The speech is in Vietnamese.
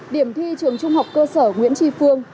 điểm thi trường trung học cơ sở nguyễn tri phương